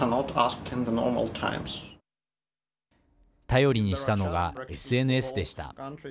頼りにしたのがＳＮＳでした。